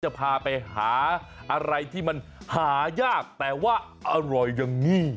จะพาไปหาอะไรที่มันหายากแต่ว่าอร่อยอย่างนี้